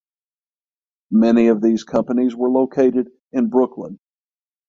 Many of these companies were located in Brooklyn.